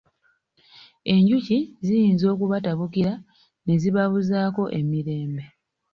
Enjuki ziyinza okubatabukira ne zibabuzaako emirembe.